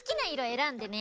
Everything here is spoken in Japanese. えらんでね。